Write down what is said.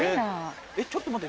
ちょっと待って。